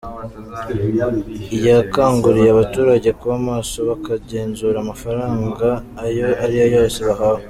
Yakanguriye abaturage kuba maso, bakagenzura amafaranga ayo ariyo yose bahawe.